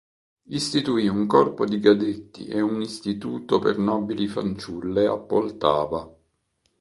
Istituì un corpo di cadetti e un istituto per nobili fanciulle a Poltava.